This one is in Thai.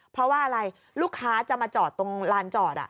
เพราะว่าอะไรลูกค้าจะมาจอดตรงลานจอด